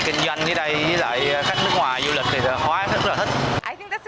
kinh doanh ở đây với lại khách nước ngoài du lịch thì hóa rất là thích